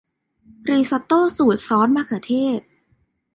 ริซอตโต้สูตรซอสมะเขือเทศ